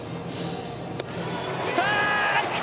ストライク！